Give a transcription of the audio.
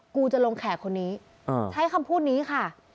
กูจะลงแขกคนนี้ใช้คำพูดนี้ค่ะ